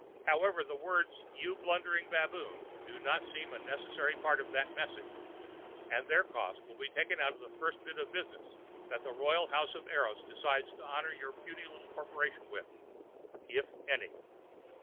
However, the words "you blundering baboon" do not seem a necessary part of that message, and their cost will be taken out of the first bit of business that the royal house of Eros decides to honor your puny little corporation with. If any.